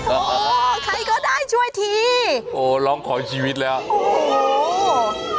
เออใครก็ได้ช่วยทีโอ้ร้องขอชีวิตแล้วโอ้โห